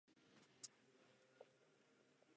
To se stává.